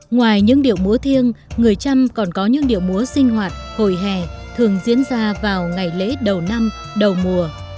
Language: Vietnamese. ngoài những điệu múa thiêng người trăm còn có những điệu múa sinh hoạt hồi hè thường diễn ra vào ngày lễ đầu năm đầu mùa